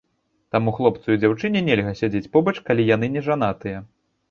Таму хлопцу і дзяўчыне нельга сядзець побач, калі яны не жанатыя.